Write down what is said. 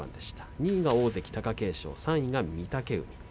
２位が大関貴景勝３位が御嶽海。